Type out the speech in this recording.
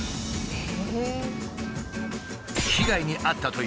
へえ！